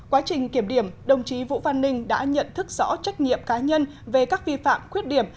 quá trình kiểm điểm đồng chí vũ văn ninh đã nhận thức rõ trách nhiệm cá nhân về các vi phạm khuyết điểm